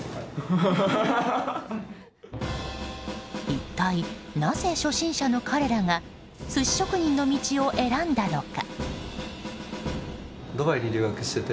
一体なぜ、初心者の彼らが寿司職人の道を選んだのか。